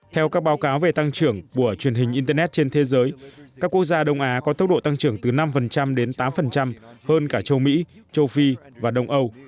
theo các báo cáo về tăng trưởng của truyền hình internet trên thế giới các quốc gia đông á có tốc độ tăng trưởng từ năm đến tám hơn cả châu mỹ châu phi và đông âu